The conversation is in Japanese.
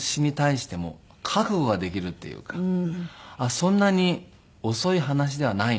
そんなに遅い話ではないなって。